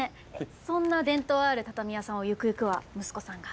そんな伝統ある畳屋さんをゆくゆくは息子さんが。